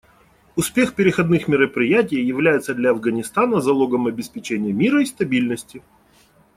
Успех переходных мероприятий является для Афганистана залогом обеспечения мира и стабильности.